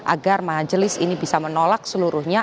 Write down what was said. agar majelis ini bisa menolak seluruhnya